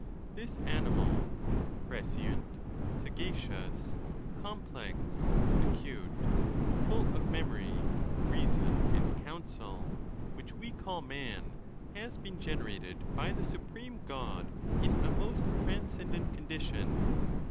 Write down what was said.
This animal—prescient, sagacious, complex, acute, full of memory, reason, and counsel, which we call man—has been generated by the supreme God in a most transcendent condition.